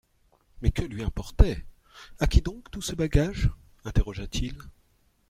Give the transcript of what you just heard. Mais que lui importait !… A qui donc tout ce bagage ? interrogea-t-il.